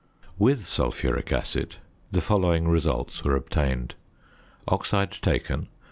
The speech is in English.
With sulphuric acid the following results were obtained: Oxide taken.